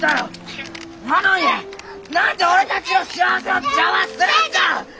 なのに何で俺たちの幸せを邪魔するんだ！